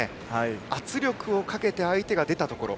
圧力をかけて相手が出たところを。